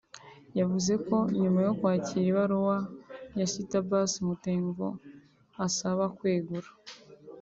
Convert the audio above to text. yavuze ko nyuma yo kwakira ibaruwa ya Sitti Abbas Mtemvu asaba kwegura